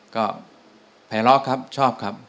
ก็แผลร็อกครับชอบครับ